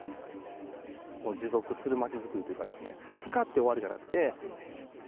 持続する町づくりというかですね、使って終わりじゃなくて。